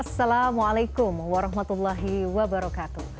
assalamualaikum warahmatullahi wabarakatuh